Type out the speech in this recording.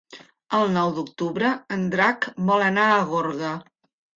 El nou d'octubre en Drac vol anar a Gorga.